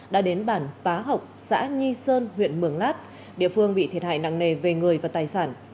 đã đến bản pá học xã nhi sơn huyện mường lát địa phương bị thiệt hại nặng nề về người và tài sản